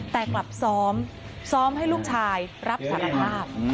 แต่กลับซ้อมซ้อมให้ลูกชายรับสารภาพ